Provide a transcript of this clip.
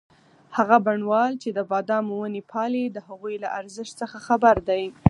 هغه بڼوال چې د بادامو ونې پالي د هغوی له ارزښت څخه خبر دی.